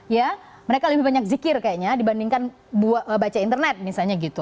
ya mereka lebih banyak zikir kayaknya dibandingkan baca internet misalnya gitu